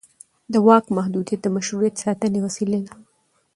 د واک محدودیت د مشروعیت ساتنې وسیله ده